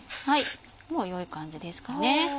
もう良い感じですかね。